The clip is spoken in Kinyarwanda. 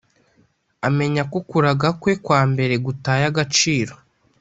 amenya ko kuragakwe kwambere gutaye agaciro